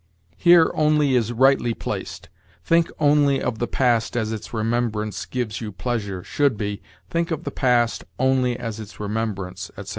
Here only is rightly placed. 'Think only of the past as its remembrance gives you pleasure,' should be, 'think of the past, only as its remembrance,' etc.